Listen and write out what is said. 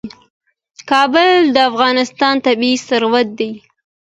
کابل د افغانستان طبعي ثروت دی.